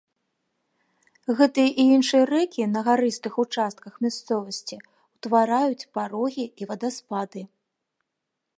Гэтыя і іншыя рэкі на гарыстых участках мясцовасці ўтвараюць парогі і вадаспады.